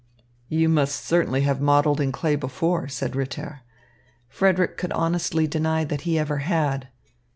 "You must certainly have modelled in clay before," said Ritter. Frederick could honestly deny that he ever had.